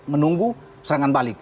menunggu serangan balik